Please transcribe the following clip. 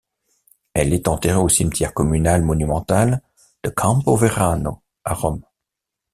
Elle est enterrée au Cimetière communal monumental de Campo Verano à Rome.